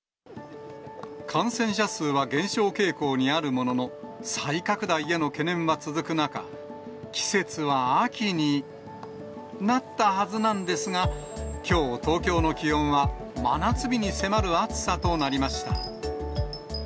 感染者数は減少傾向にあるものの、再拡大への懸念は続く中、季節は秋になったはずなんですが、きょう、東京の気温は真夏日に迫る暑さとなりました。